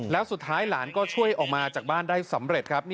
แล้วสุดท้ายหลานก็ช่วยออกมาจากบ้านได้สำเร็จครับ